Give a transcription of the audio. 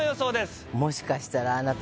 これがもしかしたらあなた